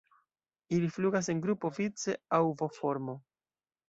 Ili flugas en grupo vice aŭ V-formo.